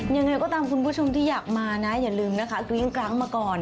ยังไงก็ตามคุณผู้ชมที่อยากมานะอย่าลืมนะคะกริ้งกร้างมาก่อน